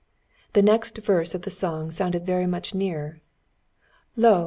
The next verse of the song sounded very much nearer: "Lo!